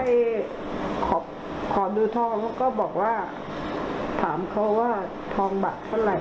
ให้ขอขอดูทองเขาก็บอกว่าถามเขาว่าทองบัตรเท่าไหร่